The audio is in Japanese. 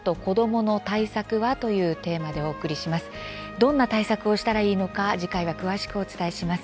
どんな対策をしたらいいのか次回は詳しくお伝えします。